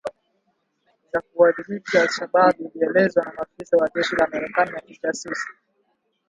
za kuwadhibiti alShabaab ilielezewa na maafisa wa jeshi la Marekani na kijasusi